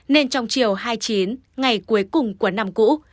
nên trong chiều hai mươi chín ngày cuối cùng của năm cũ